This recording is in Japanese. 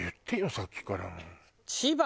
さっきから。